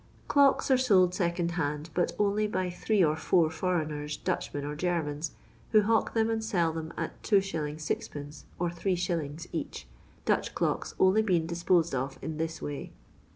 Cloeki are sold second hand, but only by three or four foreigners, Dutchmen or Germans, who hawk them and sell them at 2t, Qd, or 8«. each, Dutch clocks only been disposed of in this way.